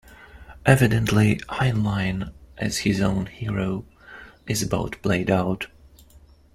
Evidently, Heinlein as his own hero is about played out.